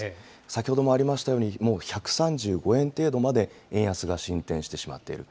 先ほどもありましたように、もう１３５円程度まで円安が進展してしまっている。